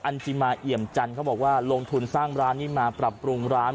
จิมาเอี่ยมจันทร์เขาบอกว่าลงทุนสร้างร้านนี้มาปรับปรุงร้าน